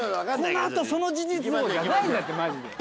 「このあとその事実を」じゃないんだってマジで。